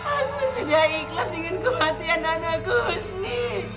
aku sudah ikhlas dengan kematian anakku husni